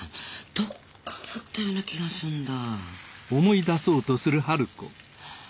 どっかで会ったような気がするんだ。